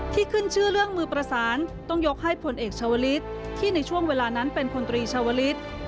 ขึ้นชื่อเรื่องมือประสานต้องยกให้ผลเอกชาวลิศที่ในช่วงเวลานั้นเป็นพลตรีชาวลิศ